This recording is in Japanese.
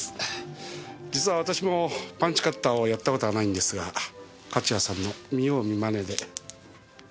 実は私もパンチカッターをやった事がないんですが勝谷さんの見よう見まねで。